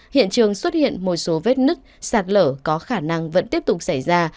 hiện trường xuất hiện một số vết nứt sạt lở có khả năng vẫn tiếp tục xảy ra